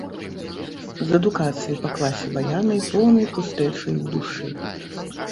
З адукацыяй па класе баяна і поўнай пустэчай ў душы.